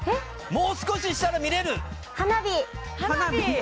もう少ししたら見れる・花火？